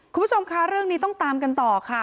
คุณผู้ชมคะเรื่องนี้ต้องตามกันต่อค่ะ